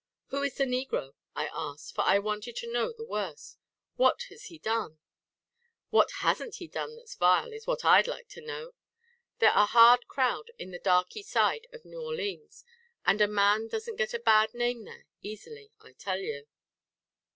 "Who is the negro?" I asked, for I wanted to know the worst. "What has he done?" "What hasn't he done that's vile, is what I'd like to know. They're a hard crowd in the darkey side of Noo Orleans; and a man doesn't get a bad name there easily, I tell you.